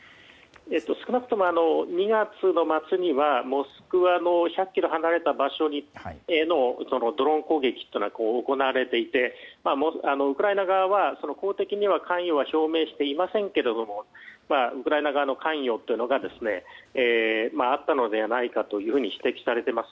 少なくとも２月の末にはモスクワの１００ｋｍ離れた場所へのドローン攻撃が行われていてウクライナ側は公的には関与は否定していませんがウクライナ側の関与というのがあったのではないかというふうに指摘されています。